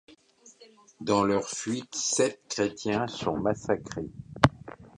Dans leur fuite sept chrétiens sont massacrés.